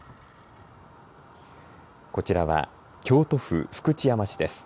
こちらは京都府福知山市です。